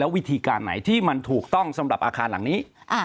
วิธีการไหนที่มันถูกต้องสำหรับอาคารหลังนี้